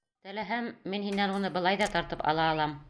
Теләһәм, мин һинән уны былай ҙа тартып ала алам!